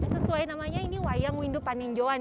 sesuai namanya ini wayang windu paninjoan